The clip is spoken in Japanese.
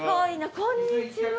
こんにちは。